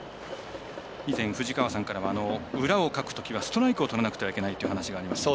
以前、藤川さんからは裏をかくときはストライクをとらなければいけないという話がありました。